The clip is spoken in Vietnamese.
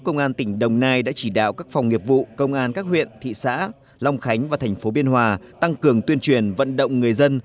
công an tỉnh đồng nai đã chỉ đạo các phòng nghiệp vụ công an các huyện thị xã long khánh và thành phố biên hòa tăng cường tuyên truyền vận động người dân